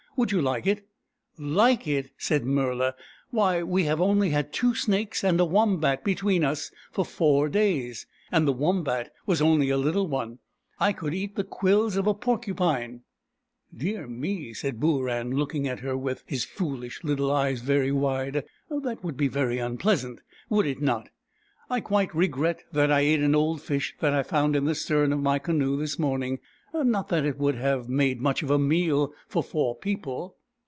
Would you hke it? "" Like it !" said Murla. " Why, we have only had two snakes and a wombat between us for four days — and the wombat was only a little one. I could eat the quills of a porcupine !"" Dear me," said Booran, looking at her with his foolish Httle eyes very wide. " That would be very unpleasant, would it not ? I quite regret that I ate an old fish that I found in the stern of my canoe this morning. Not that it would have made much of a meal for four people."